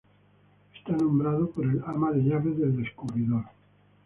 Está nombrado por el ama de llaves del descubridor.